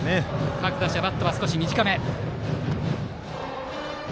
各打者、バットは短め。